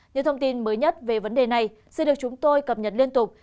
những thông tin mới nhất về vấn đề này sẽ được chúng tôi cập nhật liên tục